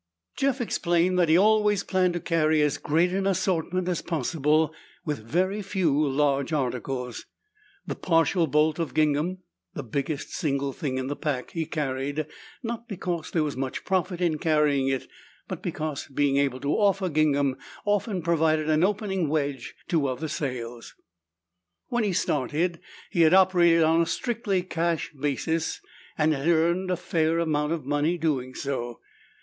Jeff explained that he always planned to carry as great an assortment as possible, with very few large articles. The partial bolt of gingham, the biggest single thing in the pack, he carried, not because there was much profit in carrying it, but because being able to offer gingham often provided an opening wedge to other sales.... When he started, he had operated on a strictly cash basis and had earned a fair amount of money doing so.